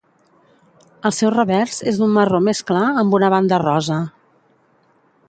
El seu revers és d'un marró més clar amb una banda rosa.